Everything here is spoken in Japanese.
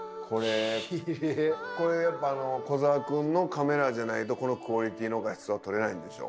これやっぱ小澤君のカメラじゃないとこのクオリティーの画質は撮れないんでしょ。